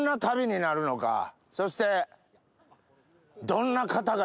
そして。